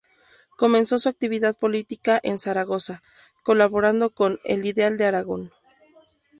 Comenzó su actividad política en Zaragoza, colaborando con "El Ideal de Aragón".